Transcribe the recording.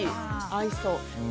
合いそう。